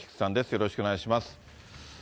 よろしくお願いします。